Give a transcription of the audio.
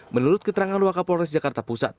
menurut keterangan luar kapolres jakarta pusat